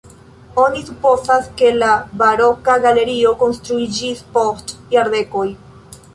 Oni supozas, ke la baroka galerio konstruiĝis post jardekoj.